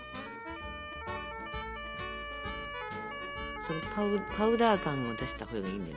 そのパウダー感を出したほうがいいんだよ。